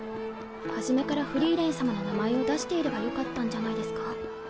初めからフリーレン様の名前を出していればよかったんじゃないですか？